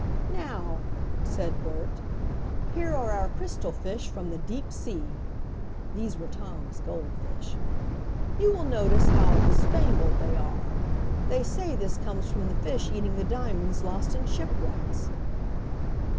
"Now," said Bert, "here are our crystal fish from the deep sea!" (These were Tom's goldfish.) "You will notice how bespangled they are. They say this comes from the fish eating the diamonds lost in shipwrecks."